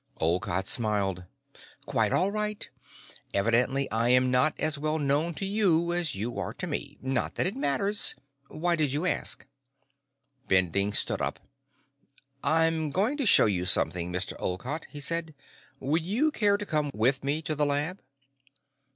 Olcott smiled. "Quite all right. Evidently I am not as well known to you as you are to me. Not that it matters. Why did you ask?" Bending stood up. "I'm going to show you something, Mr. Olcott," he said. "Would you care to come with me to the lab?"